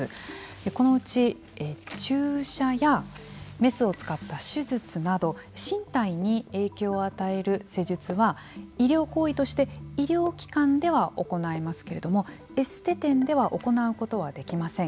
このうち注射やメスを使った手術など身体に影響を与える施術は医療行為として医療機関では行えますけれどもエステ店では行うことはできません。